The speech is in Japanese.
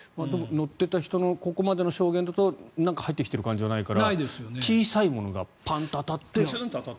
乗っていた人のここまでの証言だと何か入ってきた感じはないから小さいものがパンと当たって。